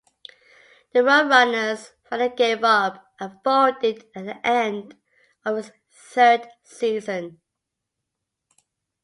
The Roadrunners finally gave up and folded at the end of its third season.